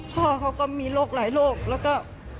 พ่อเขาก็มีโรคหลายโรคแล้วก็